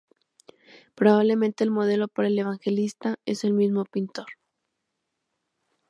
Probablemente el modelo para el evangelista es el mismo pintor.